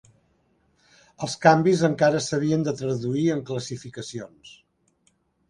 Els canvis encara s'havien de traduir en classificacions.